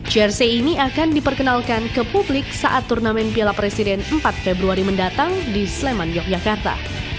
jersey ini akan diperkenalkan ke publik saat turnamen piala presiden empat februari mendatang di sleman yogyakarta